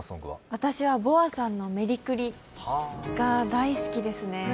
私はＢｏＡさんの「メリクリ」が大好きですね。